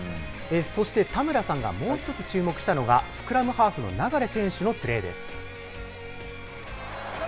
そして田村さんがもう一つ注目したのが、スクラムハーフの流選手のプレーです。